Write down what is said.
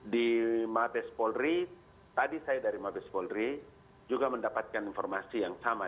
di mabes polri tadi saya dari mabes polri juga mendapatkan informasi yang sama